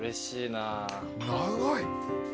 長い。